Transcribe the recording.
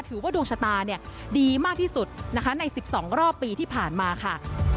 ถือว่าดวงชะตาดีมากที่สุดนะคะใน๑๒รอบปีที่ผ่านมาค่ะ